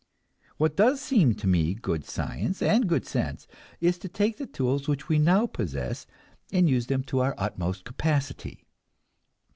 What does seem to me good science and good sense is to take the tools which we now possess and use them to their utmost capacity.